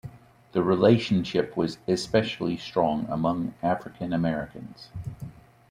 The relationship was especially strong among African-Americans.